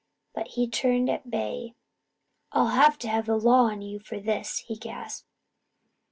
But he turned at bay. "I'll have the law on you for this," he gasped.